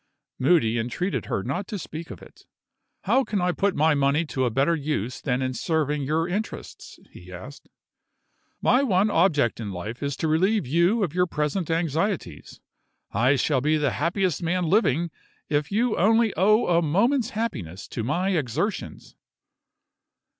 Moody entreated her not to speak of it. "How can I put my money to a better use than in serving your interests?" he asked. "My one object in life is to relieve you of your present anxieties. I shall be the happiest man living if you only owe a moment's happiness to my exertions!"